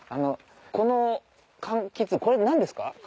この柑橘これ何ですか？